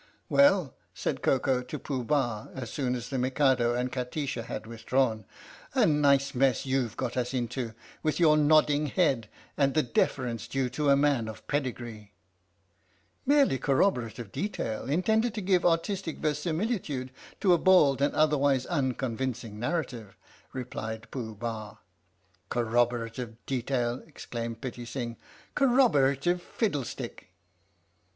"Well," said Koko to Pooh Bah as soon as the Mikado and Kati sha had withdrawn, "a nice mess you've got us into with your nodding head and the deference due to a man of pedigree! "" Merely corroborative detail, intended to give artistic verisimilitude to a bald and otherwise un convincing narrative! " replied Pooh Bah. "Corroborative detail!" exclaimed Pitti Sing; " corroborative fiddlestick!